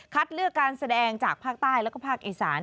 เลือกการแสดงจากภาคใต้แล้วก็ภาคอีสาน